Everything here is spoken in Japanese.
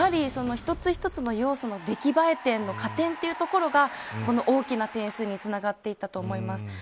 一つ一つの要素の出来栄え点の加点がこの大きな点数につながったと思います。